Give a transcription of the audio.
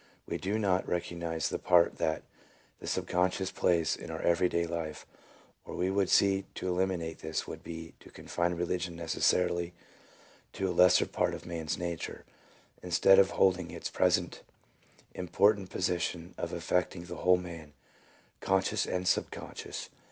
We do not recognize the part that the sub conscious plays in our every day life, or we would see to eliminate this would be to confine religion necessarily to a lesser part of man's nature, instead of its holding its present important position of affect ing the whole man, conscious and sub conscious.